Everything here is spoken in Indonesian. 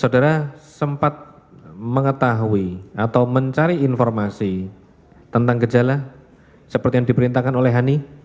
saudara sempat mengetahui atau mencari informasi tentang gejala seperti yang diperintahkan oleh hani